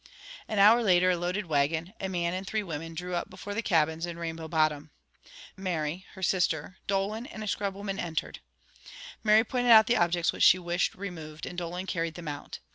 An hour later a loaded wagon, a man and three women drew up before the cabins in Rainbow Bottom. Mary, her sister, Dolan, and a scrub woman entered. Mary pointed out the objects which she wished removed, and Dolan carried them out.